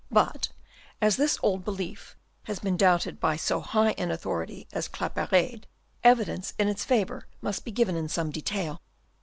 But as this old belief has been doubted by so high an authority as Claparede, evidence in its favour must be given in some detail.